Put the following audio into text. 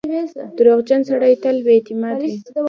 • دروغجن سړی تل بې اعتماده وي.